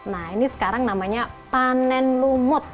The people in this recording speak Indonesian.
nah ini sekarang namanya panen lumut